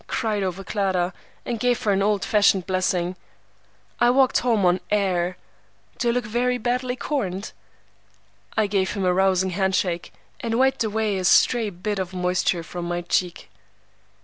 cried over Clara, and gave her an old fashioned blessing. I walked home on air. Do I look very badly corned?" I gave him a rousing hand shake, and wiped away a stray bit of moisture from my cheek.